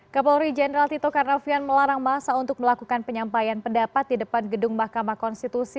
kapolri jenderal tito karnavian melarang masa untuk melakukan penyampaian pendapat di depan gedung mahkamah konstitusi